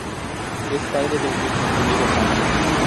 Es padre de un hijo, Diego Sánchez.